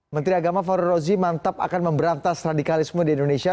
menteri agama fahru rozi mantap akan memberantas radikalisme di indonesia